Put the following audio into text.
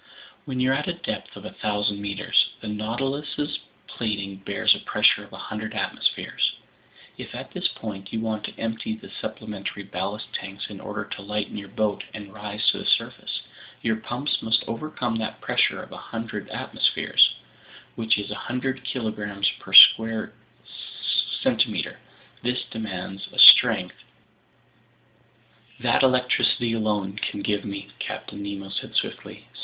"When you're at a depth of 1,000 meters, the Nautilus's plating bears a pressure of 100 atmospheres. If at this point you want to empty the supplementary ballast tanks in order to lighten your boat and rise to the surface, your pumps must overcome that pressure of 100 atmospheres, which is 100 kilograms per each square centimeter. This demands a strength—" "That electricity alone can give me," Captain Nemo said swiftly.